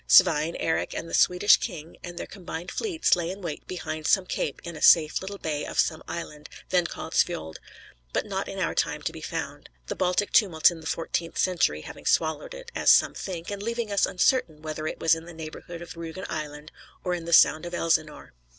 Svein, Eric, and the Swedish king, with their combined fleets, lay in wait behind some cape in a safe little bay of some island, then called Svolde, but not in our time to be found: the Baltic tumults in the fourteenth century having swallowed it, as some think, and leaving us uncertain whether it was in the neighborhood of Rugen Island or in the Sound of Elsinore.